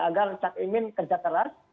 agar cak imin kerja keras